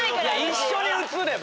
一緒に写れば。